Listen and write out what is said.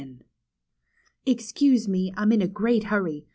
67 Excuse me; I'm in a great hurry.